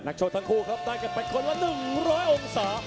โชคทั้งคู่ครับได้กันไปคนละ๑๐๐องศา